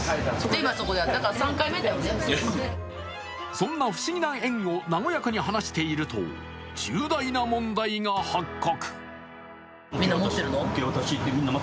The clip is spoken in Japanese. そんな不思議な縁を和やかに話していると重大な問題が発覚。